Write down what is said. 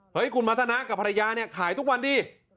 คุณมัธนะกับภรรยาเนี่ยขายทุกวันดี